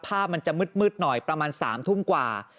ภาพมันจะมืดหน่อยประมาณ๓ทุ่มกว่า